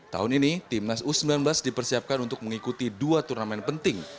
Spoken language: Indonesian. tahun ini timnas u sembilan belas dipersiapkan untuk mengikuti dua turnamen penting